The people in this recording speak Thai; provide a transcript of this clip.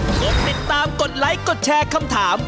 กดติดตามกดไลค์กดแชร์คำถาม